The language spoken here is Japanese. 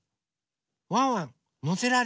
ワンワンのせられる？